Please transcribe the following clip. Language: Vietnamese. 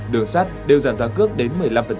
đường sắt đều giảm giá cước đến một mươi năm